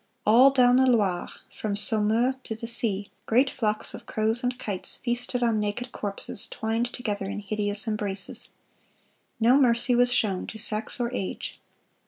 All down the Loire, from Saumur to the sea, great flocks of crows and kites feasted on naked corpses, twined together in hideous embraces. No mercy was shown to sex or age.